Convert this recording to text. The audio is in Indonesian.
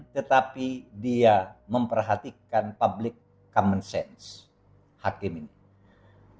tetapi dia memperhatikan public common sense hakim ini